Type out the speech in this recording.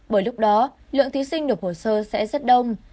bởi lúc đó lượng thí sinh nộp hồ sơ sẽ rất đông